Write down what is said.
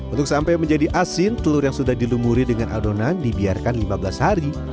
untuk sampai menjadi asin telur yang sudah dilumuri dengan adonan dibiarkan lima belas hari